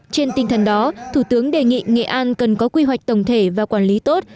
trên tinh thần đó thủ tướng đề nghị nghệ an cần có quy hoạch tổng thể và quản lý tốt